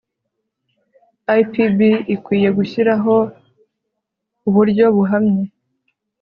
ipb ikwiye gushyiraho uburyo buhamye